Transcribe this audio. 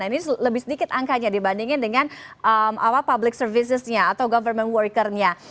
ini lebih sedikit angkanya dibandingkan dengan public services nya atau government worker nya